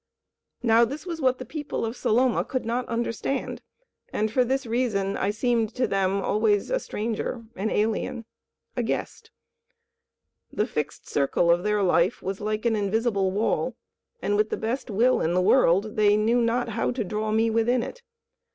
Now this was what the people of Saloma could not understand, and for this reason I seemed to them always a stranger, an alien, a guest. The fixed circle of their life was like an invisible wall, and with the best will in the world they knew not how to draw me within it.